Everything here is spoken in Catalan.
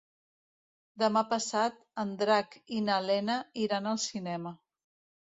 Demà passat en Drac i na Lena iran al cinema.